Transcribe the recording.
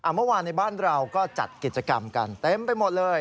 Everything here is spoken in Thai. เมื่อวานในบ้านเราก็จัดกิจกรรมกันเต็มไปหมดเลย